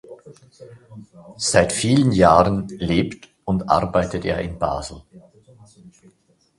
Seit vielen Jahren lebt und arbeitet er in Basel.